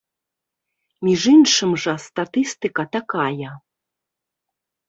Між іншым жа статыстыка такая.